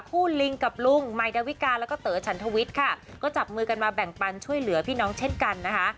ลิงกับลุงใหม่ดาวิกาแล้วก็เต๋อฉันทวิทย์ค่ะก็จับมือกันมาแบ่งปันช่วยเหลือพี่น้องเช่นกันนะคะ